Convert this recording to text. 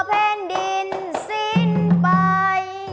ธรรมดา